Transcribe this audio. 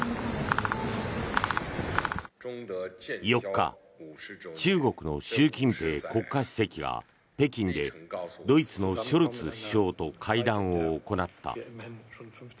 ４日、中国の習近平国家主席が北京でドイツのショルツ首相と会談を行った。